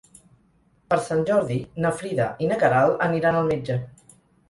Per Sant Jordi na Frida i na Queralt aniran al metge.